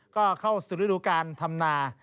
ก็เข้าสรุปการณ์ธรรมนา